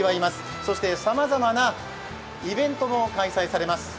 そしてさまざまなイベントも開催されます。